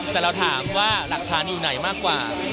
แต่เราถามว่าหลักฐานอยู่ไหนมากกว่า